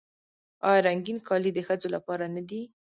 آیا رنګین کالي د ښځو لپاره نه دي؟